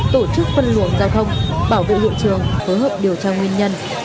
tổ chức phân luồng giao thông bảo vệ hiện trường phối hợp điều tra nguyên nhân